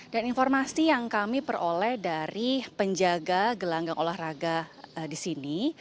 dan informasi yang kami peroleh dari penjaga gelanggang olahraga di sini